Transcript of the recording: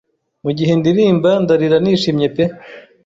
Mugihe ndirimba ndarira nishimye pe